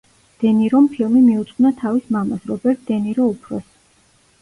დე ნირომ ფილმი მიუძღვნა თავის მამას, რობერტ დე ნირო უფროსს.